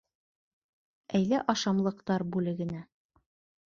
Әйҙә ашамлыҡтар бүлегенә